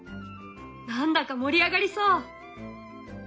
何だか盛り上がりそう！